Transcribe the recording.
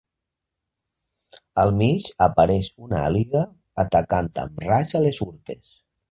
Al mig apareix una àliga atacant amb raigs a les urpes.